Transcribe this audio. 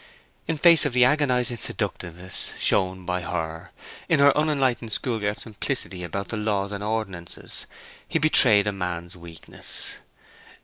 In face of the agonizing seductiveness shown by her, in her unenlightened school girl simplicity about the laws and ordinances, he betrayed a man's weakness.